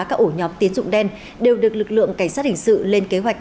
các ổ nhóm tiến dụng đen đều được lực lượng cảnh sát hình sự lên kế hoạch